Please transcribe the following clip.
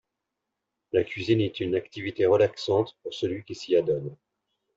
La cuisine est une activité relaxante pour celui qui s'y adonne